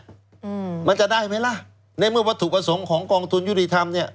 อืมมันจะได้ไหมล่ะในเมื่อวัตถุประสงค์ของกองทุนยุติธรรมเนี้ย